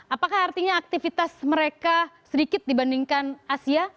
apakah artinya aktivitas mereka sedikit dibandingkan asia